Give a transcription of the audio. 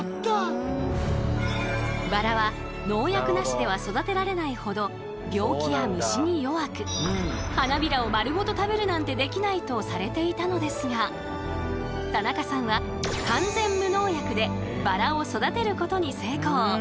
バラは農薬なしでは育てられないほど病気や虫に弱く花びらを丸ごと食べるなんてできないとされていたのですが田中さんは完全無農薬でバラを育てることに成功。